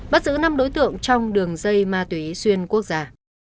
bắt giữ năm đối tượng trong đường dây ma túy xuyên quốc gia